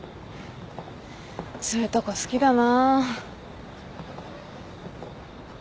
そういうとこ好きだな。